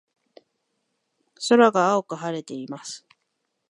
空が青く晴れています。